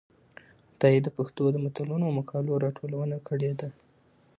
عطايي د پښتو د متلونو او مقالو راټولونه کړې ده.